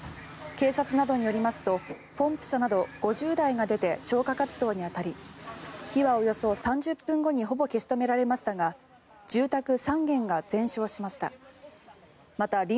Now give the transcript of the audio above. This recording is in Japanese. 警察などによりますとポンプ車など５０台が出て消火活動に当たり火はおよそ３０分後にほぼ消し止められましたが住宅３軒が全焼しました。